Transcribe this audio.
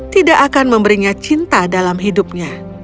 tidak akan memberinya cinta dalam hidupnya